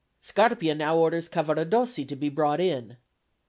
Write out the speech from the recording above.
Scarpia now orders Cavaradossi to be brought in.